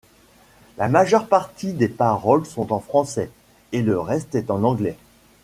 La majeure partie des paroles sont en français, et le reste est en anglais.